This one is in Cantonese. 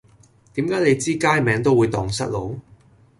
點解你知街名都會盪失路